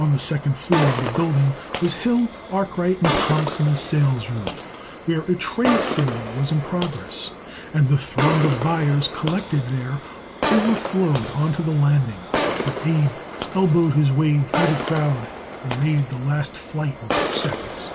On the second floor of the building was Hill, Arkwright & Thompson's salesroom, where a trade sale was in progress, and the throng of buyers collected there overflowed onto the landing, but Abe elbowed his way through the crowd and made the last flight in two seconds.